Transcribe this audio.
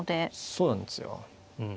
そうなんですようん。